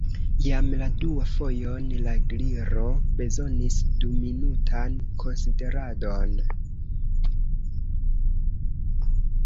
Jam la duan fojon la Gliro bezonis duminutan konsideradon.